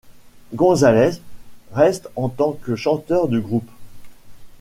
González reste en tant que chanteur du groupe.